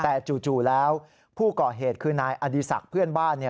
แต่จู่แล้วผู้ก่อเหตุคือนายอดีศักดิ์เพื่อนบ้าน